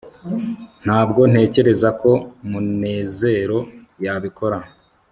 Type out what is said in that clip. ntabwo ntekereza ko munezero yabikora